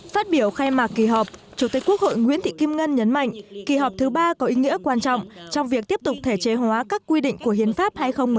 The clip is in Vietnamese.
phát biểu khai mạc kỳ họp chủ tịch quốc hội nguyễn thị kim ngân nhấn mạnh kỳ họp thứ ba có ý nghĩa quan trọng trong việc tiếp tục thể chế hóa các quy định của hiến pháp hai nghìn một mươi ba